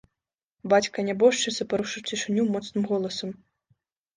Бацька нябожчыцы парушыў цішыню моцным голасам.